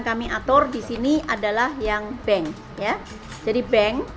kami atur di sini adalah yang bank ya jadi bank